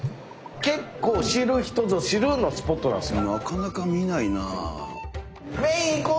結構知る人ぞ知るのスポットなんですよ。